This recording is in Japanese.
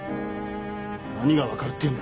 何がわかるっていうんだ。